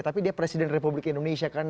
tapi dia presiden republik indonesia ke enam